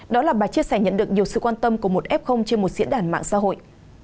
đó là bà chia sẻ nhận được nhiều sự quan tâm của một f trên một diễn đàn mạng xã hội